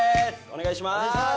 お願いします！